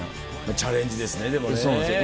チャレンジですねでもね。